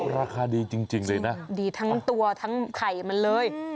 ราคาดีจริงเลยนะดีทั้งตัวทั้งไข่มันเลย